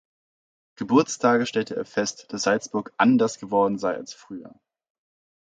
Geburtstages stellte er fest, dass Salzburg „anders“ geworden sei als früher.